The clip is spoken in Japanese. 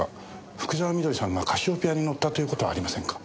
福沢美登里さんがカシオペアに乗ったという事はありませんか？